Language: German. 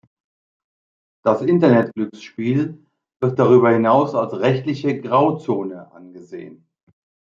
Das Internet-Glücksspiel wird darüber hinaus als rechtliche "Grauzone" angesehen.